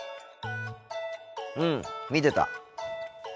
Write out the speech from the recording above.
うん見てた。